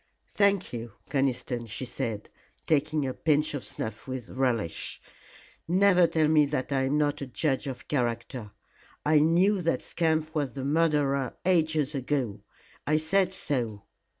"Thank you, Conniston," she said, taking a pinch of snuff with relish. "Never tell me that I am not a judge of character. I knew that scamp was the murderer ages ago. I said so.